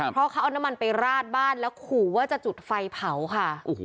เพราะเขาเอาน้ำมันไปราดบ้านแล้วขู่ว่าจะจุดไฟเผาค่ะ